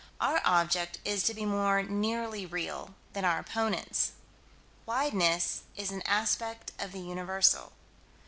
Our object is to be more nearly real than our opponents. Wideness is an aspect of the Universal.